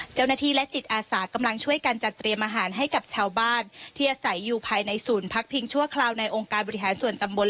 เจ้าหน้าที่และจิตอาสากำลังช่วยกันจัดเตรียมอาหารให้กับชาวบ้านที่อาศัยอยู่ภายในศูนย์พักพิงชั่วคราวในองค์การบริหารส่วนตำบล